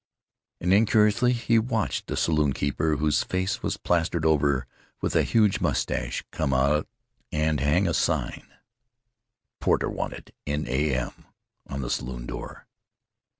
And incuriously he watched a saloon keeper, whose face was plastered over with a huge mustache, come out and hang a sign, "Porter wanted in a.m.," on the saloon door.